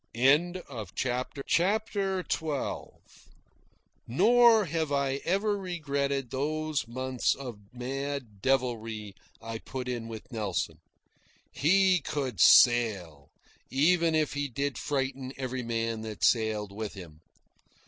CHAPTER XII Nor have I ever regretted those months of mad devilry I put in with Nelson. He COULD sail, even if he did frighten every man that sailed with him.